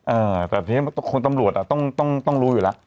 เออแต่ทีนี้คนตำรวจอ่ะต้องรู้อยู่แล้ว